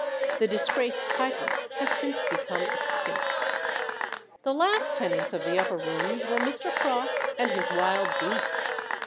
The disgraced title has since become extinct. The last tenants of the upper rooms were Mr. Cross and his wild beasts.